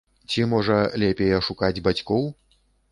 Ці, можа, лепей ашукаць бацькоў?